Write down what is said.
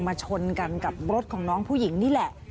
ชนกันกับรถของน้องผู้หญิงนี่แหละ